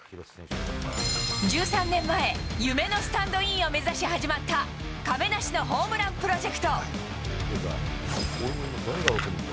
１３年前、夢のスタンドインを目指し始まった亀梨のホームランプロジェクト。